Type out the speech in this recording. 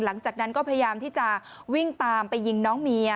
หลังจากนั้นก็พยายามที่จะวิ่งตามไปยิงน้องเมีย